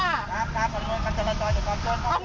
ครับครับขออนุญาตกับจริง